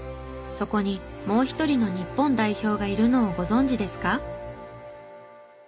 そこにもう一人の日本代表がいるのをご存じですか？